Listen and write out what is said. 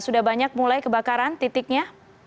sudah banyak mulai kebakaran titiknya